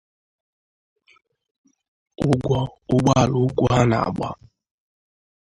ụgwọ ụgbọ ala ukwu ha na-agba